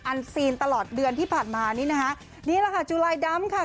อันซีนตลอดเดือนที่ผ่านมานี่นะคะนี่แหละค่ะจุลายดำค่ะ